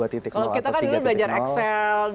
kalau kita kan dulu belajar excel belajar microsoft powerpoint